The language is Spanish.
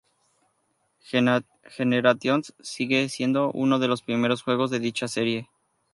Generations", siendo uno de los primeros juegos de dicha serie.